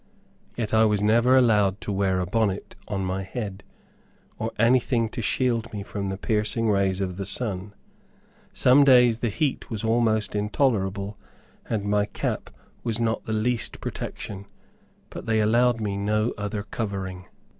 Yet I was never allowed to wear a bonnet on my head, or anything to shield me from the piercing rays of the sun. Some days the heat was almost intolerable, and my cap was not the least protection, but they allowed me no other covering.